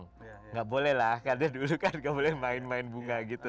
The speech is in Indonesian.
tidak boleh lah karena dulu kan nggak boleh main main bunga gitu